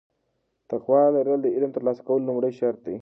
تقوا لرل د علم د ترلاسه کولو لومړی شرط دی.